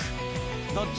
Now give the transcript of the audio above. どっち？